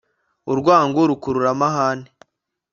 urwango rukurura amahane